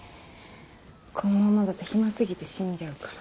このままだと暇過ぎて死んじゃうから。